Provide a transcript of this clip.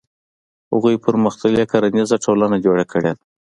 هغوی پرمختللې کرنیزه ټولنه جوړه کړې ده.